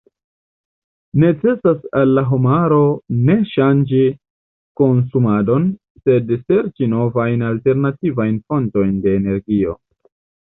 Necesas al la homaro ne ŝanĝi konsumadon, sed serĉi novajn alternativajn fontojn de energio.